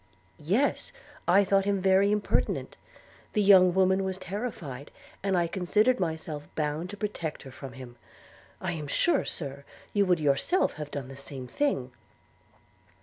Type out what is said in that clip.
'Yes, I thought him very impertinent. The young woman was terrified, and I considered myself bound to protect her from him. I am sure, Sir, you would yourself have done the same thing.'